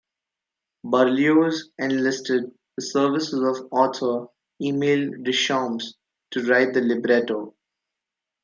Berlioz enlisted the services of author Emile Deschamps to write the libretto.